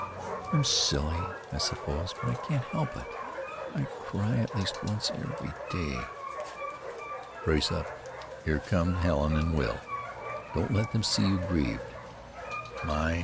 "I'm silly, I suppose; but I can't help it. I cry at least once every day." "Brace up. Here come Helen and Will. Don't let them see you grieved. My!